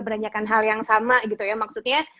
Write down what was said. menanyakan hal yang sama gitu ya maksudnya